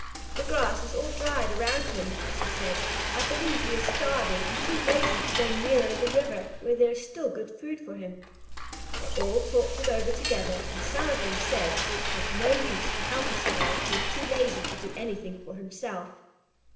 "The grass is all dried around him," she said; "I believe he is starving, and too lazy to go nearer the river, where there is still good food for him." They all talked it over together, and some of them said it was of no use to help a Snail who was too lazy to do anything for himself.